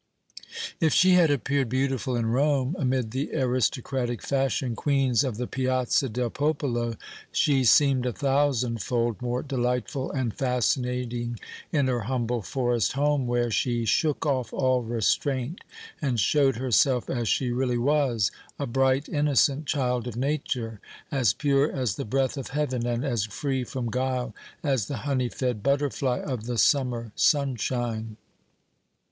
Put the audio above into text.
If she had appeared beautiful in Rome, amid the aristocratic fashion queens of the Piazza del Popolo, she seemed a thousand fold more delightful and fascinating in her humble forest home, where she shook off all restraint and showed herself as she really was, a bright, innocent child of nature, as pure as the breath of heaven and as free from guile as the honey fed butterfly of the summer sunshine.